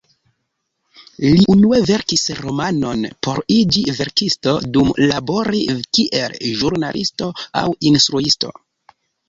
Li unue verkis romanon por iĝi verkisto dum labori kiel ĵurnalisto aŭ instruisto.